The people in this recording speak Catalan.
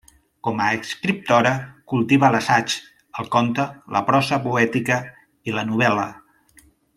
Com a escriptora, cultiva l'assaig, el conte, la prosa poètica i la novel·la.